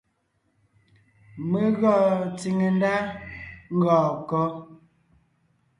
Mé gɔɔn tsìŋe ndá ngɔɔn kɔ́?